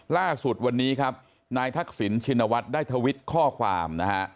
ล่าสุดวันนี้ครับนายทักษิณชินวัฒน์ได้ทวิตข้อความนะฮะ